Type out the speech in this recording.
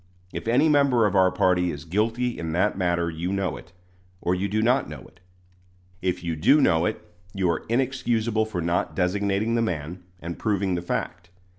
If any member of our party is guilty in that matter you know it, or you do not know it. If you do know it, you are inexcusable for not designating the man and proving the fact.